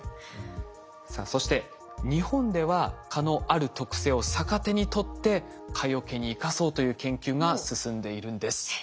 さあそして日本では蚊のある特性を逆手にとって蚊よけに生かそうという研究が進んでいるんです。